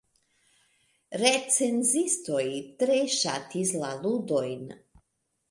Recenzistoj tre ŝatis la ludojn.